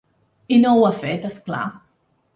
I no ho ha fet, és clar.